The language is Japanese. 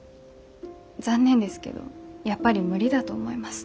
残念ですけどやっぱり無理だと思います。